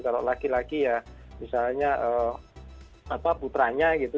kalau laki laki ya misalnya putranya gitu